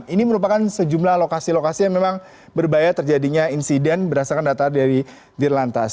ini merupakan sejumlah lokasi lokasi yang memang berbahaya terjadinya insiden berdasarkan data dari dirlantas